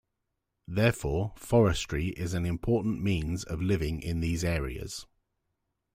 Therefore, forestry is an important means of living in these areas.